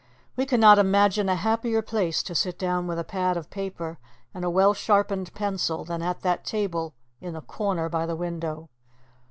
We cannot imagine a happier place to sit down with a pad of paper and a well sharpened pencil than at that table in the corner by the window.